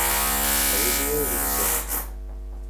Avui dia és unisex.